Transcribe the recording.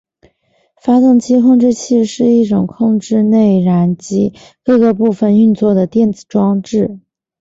发动机控制器是一种控制内燃机各个部分运作的电子装置。